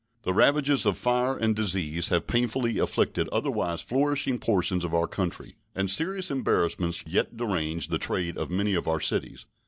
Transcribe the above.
The ravages of fire and disease have painfully afflicted otherwise flourishing portions of our country, and serious embarrassments yet derange the trade of many of our cities.